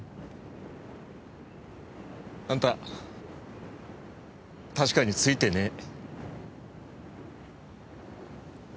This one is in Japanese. あんた確かにツイてねえ。